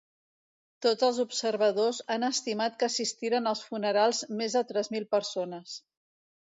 Tots els observadors han estimat que assistiren als funerals més de tres mil persones.